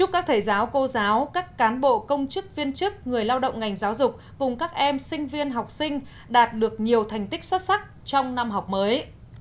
các thầy giáo cô giáo các cán bộ công chức viên chức người lao động ngành giáo dục cùng các em sinh viên học sinh đạt được nhiều thành tích xuất sắc trong năm học mới